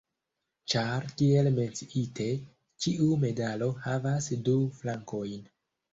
Ĉar, kiel menciite, ĉiu medalo havas du flankojn.